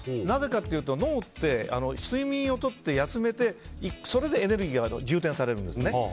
なぜかというと脳って、睡眠をとって休めてそれでエネルギーが充填されるんですね。